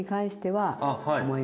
はい。